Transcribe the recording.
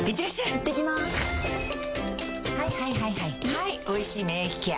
はい「おいしい免疫ケア」